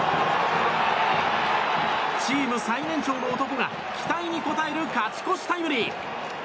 チーム最年長の男が期待に応える勝ち越しタイムリー！